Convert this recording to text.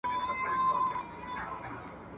o خداى دي يو لاس بل ته نه اړ باسي.